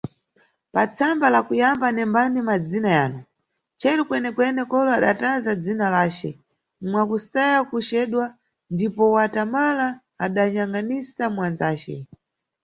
Pa tsamba la kuyamba nembani madzina yanu, cheru Kwenekwene, kolo adatatalaza dzina lace mwa kusaya kuceduwa, ndipo watamala adanyangʼnisa mwanzace.